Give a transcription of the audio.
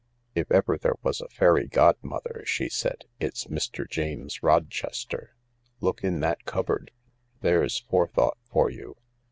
" If ever there was a fairy godmother," she said, "it's Mr. James Rochester. Look in that cupboard ! There's forethought for you